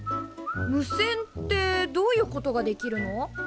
無線ってどういうことができるの？